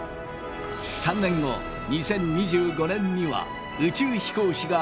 ３年後２０２５年には宇宙飛行士が月面に降り立ち